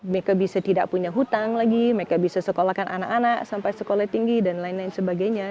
mereka bisa tidak punya hutang lagi mereka bisa sekolahkan anak anak sampai sekolah tinggi dan lain lain sebagainya